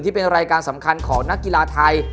เป็นรายการสำคัญของนักกีฬาไทย